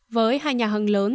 với hai nhà hàng lớn